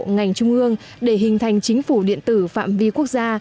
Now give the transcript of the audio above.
ngành trung ương để hình thành chính phủ điện tử phạm vi quốc gia